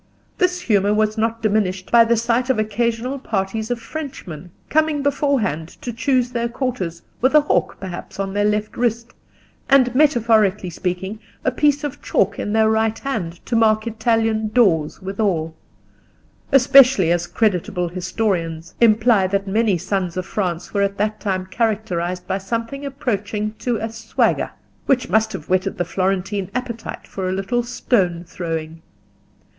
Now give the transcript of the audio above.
This humour was not diminished by the sight of occasional parties of Frenchmen, coming beforehand to choose their quarters, with a hawk, perhaps, on their left wrist, and, metaphorically speaking, a piece of chalk in their right hand to mark Italian doors withal; especially as creditable historians imply that many sons of France were at that time characterised by something approaching to a swagger, which must have whetted the Florentine appetite for a little stone throwing.